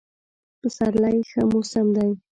پسرلی ښه موسم دی.